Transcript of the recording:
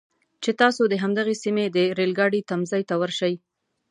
چې تاسو د همدغې سیمې د ریل ګاډي تمځي ته ورشئ.